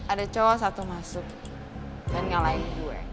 ada cowok satu masuk dan nyalai gue